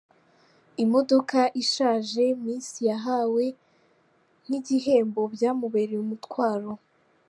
Imodoka ishaje Miss yahawe nk’igihembo byamubereye umutwaro.